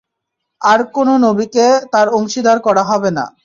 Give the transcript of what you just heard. আর কোন নবীকে তার অংশীদার করা হবে না।